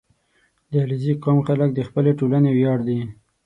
• د علیزي قوم خلک د خپلې ټولنې ویاړ دي.